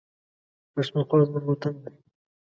پښتونخوا زموږ وطن دی